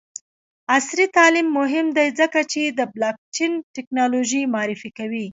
عصري تعلیم مهم دی ځکه چې د بلاکچین ټیکنالوژي معرفي کوي.